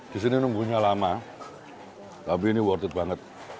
disini nunggunya lama tapi ini worth it banget